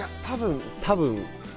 多分。